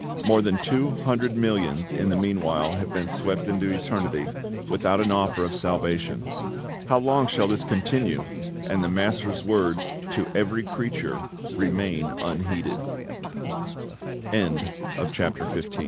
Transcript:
More than two hundred millions in the meanwhile have been swept into eternity, without an offer of salvation. How long shall this continue, and the MASTER'S words, "To every creature," remain unheeded? [Illu